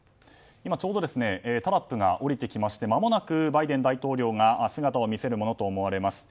ちょうどタラップが降りてきましてまもなくバイデン大統領が姿を見せるものと思われます。